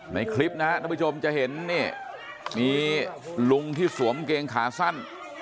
ในคลิปนะครับท่านผู้ชมจะเห็นนี่มีลุงที่สวมเกงขาสั้น